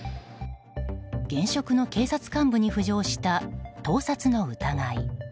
現職の警察幹部に浮上した盗撮の疑い。